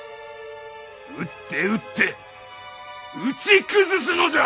撃って撃って撃ち崩すのじゃ！